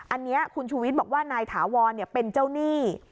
อันนี้คุณชูวิทย์บอกว่านายถาวรเป็นเจ้าหนี้